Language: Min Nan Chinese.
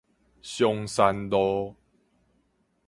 松山路